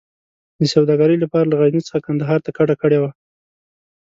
د سوداګرۍ لپاره له غزني څخه کندهار ته کډه کړې وه.